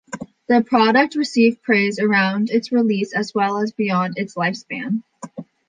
The product received praise around its release as well as beyond its lifespan.